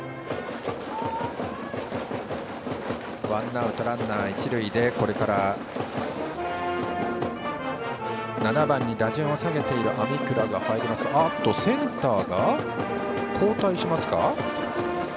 ワンアウトランナー、一塁でこれから７番に打順を下げている鍋倉が入りますがセンターが交代しますかね。